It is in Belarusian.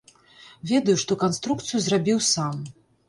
Ведаю, што канструкцыю зрабіў сам.